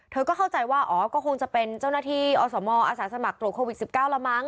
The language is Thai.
เธอก็เข้าใจว่าอ๋อก็คงจะเป็นเจ้าหน้าที่อสมอาสาสมัครตรวจโควิด๑๙แล้วมั้ง